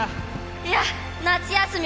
いや、夏休み